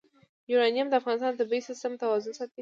یورانیم د افغانستان د طبعي سیسټم توازن ساتي.